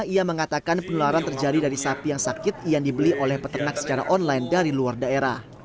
ia mengatakan penularan terjadi dari sapi yang sakit yang dibeli oleh peternak secara online dari luar daerah